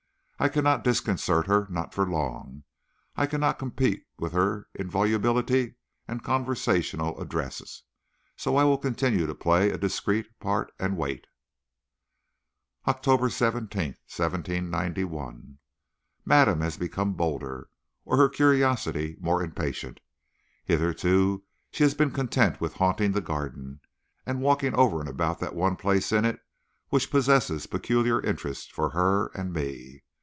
I cannot disconcert her not for long and I cannot compete with her in volubility and conversational address, so I will continue to play a discreet part and wait. OCTOBER 17, 1791. Madame has become bolder, or her curiosity more impatient. Hitherto she has been content with haunting the garden, and walking over and about that one place in it which possesses peculiar interest for her and me.